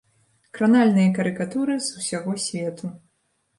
Кранальныя карыкатуры з усяго свету.